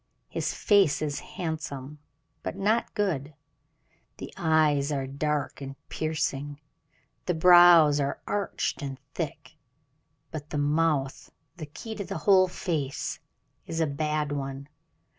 His face is handsome, but not good; the eyes are dark and piercing; the brows are arched and thick; but the mouth, the key to the whole face, is a bad one.